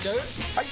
・はい！